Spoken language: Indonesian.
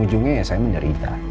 ujung ujungnya saya menderita